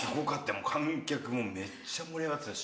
もう観客もめっちゃ盛り上がってたし。